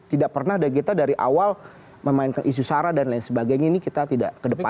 tidak pernah kita dari awal memainkan isu sara dan lain sebagainya ini kita tidak ke depan